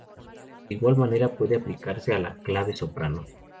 De igual manera, puede aplicarse a la clave soprano.